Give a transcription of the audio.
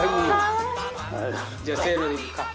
じゃあせーので吹くか。